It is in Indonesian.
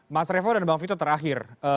mas revo dan bang vito terakhir